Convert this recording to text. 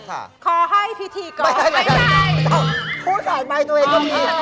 ทำไมจะไล่ออกเลย